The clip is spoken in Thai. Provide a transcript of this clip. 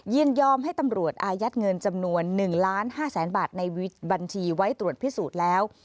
ยินยอมให้ตำรวจอายัดเงินจำนวน๑ล้าน๕แสนบาทในบัญชีไว้ตรวจพิสูจน์แล้ว